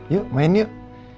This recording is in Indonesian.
yuk main yuk